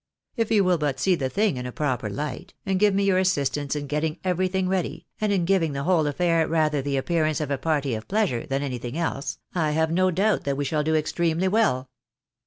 If you will but see the thing in a proper light, and give me your assistance in getting everything ready, and in giving the whole affair rather the appearance of a party of pleasure, than anything else, I have no doubt that we shall do extremely well.